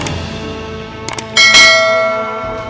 dan saya melihat allah